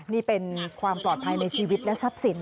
นี่เป็นความปลอดภัยในชีวิตและทรัพย์สิน